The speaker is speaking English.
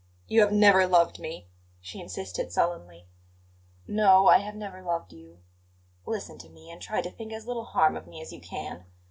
"You have never loved me," she insisted sullenly. "No, I have never loved you. Listen to me, and try to think as little harm of me as you can."